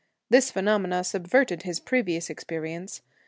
This phenomenon subverted his previous experience.